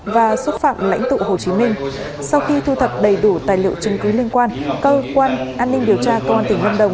và xúc phạm lãnh tụ hồ chí minh sau khi thu thập đầy đủ tài liệu chứng cứ liên quan cơ quan an ninh điều tra công an tỉnh lâm đồng